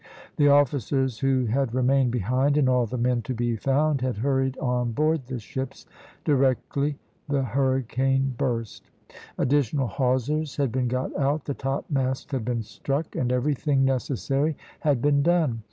The officers who had remained behind and all the men to be found had hurried on board the ships directly the hurricane burst; additional hawsers had been got out; the topmasts had been struck, and everything necessary had been done.